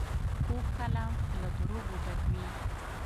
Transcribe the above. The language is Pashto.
کوږ کلام له دروغو ډک وي